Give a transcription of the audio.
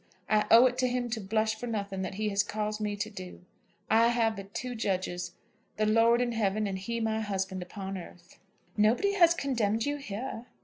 I owe it to him to blush for nothing that he has caused me to do. I have but two judges, the Lord in heaven, and he, my husband, upon earth." "Nobody has condemned you here."